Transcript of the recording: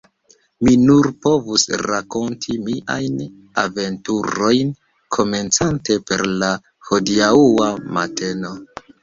Mi nur povus rakonti miajn aventurojn komencante per la hodiaŭa mateno,.